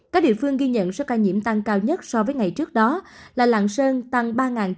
các địa phương ghi nhận số ca nhiễm tăng cao nhất so với ngày trước đó là lạng sơn tăng ba chín trăm sáu mươi